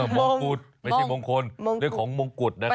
มงกุฎไม่ใช่มงคลเรื่องของมงกุฎนะครับ